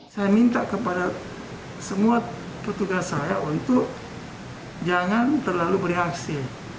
saya minta kepada semua petugas saya untuk jangan terlalu bereaksi